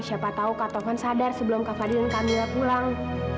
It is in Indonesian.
siapa tahu kak taufan sadar sebelum kak fadil dan kamila pulang